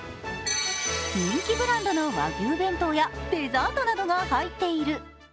人気ブランドの和牛弁当やデザートなどが入っている。